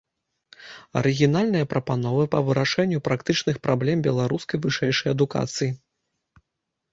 Арыгінальныя прапановы па вырашэнню практычных праблем беларускай вышэйшай адукацыі.